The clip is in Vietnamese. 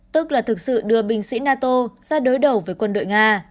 tức là thực sự đưa binh sĩ nato ra đối đầu với quân đội nga